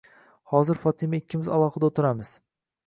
Hozir Fotima ikkimiz alohida oʻtiramiz.